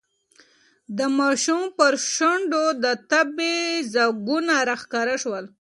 د ماشوم پر شونډو د تبې ځگونه راښکاره شول.